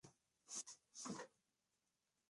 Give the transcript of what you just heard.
Datan de la Alta Edad Media.